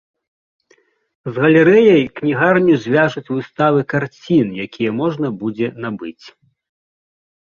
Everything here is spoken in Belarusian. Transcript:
З галерэяй кнігарню звяжуць выставы карцін, якія можна будзе набыць.